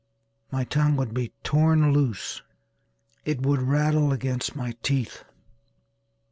My tongue would be torn loose it would rattle against my teeth.